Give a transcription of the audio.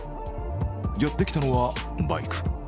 やってきたのは、バイク。